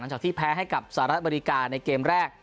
หลังจากที่แพ้ให้กับสารรัฐบริกาในเกมแรก